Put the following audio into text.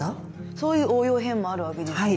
そういう応用編もあるわけですね。